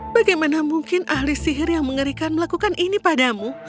bagaimana mungkin ahli sihir yang mengerikan melakukan ini padamu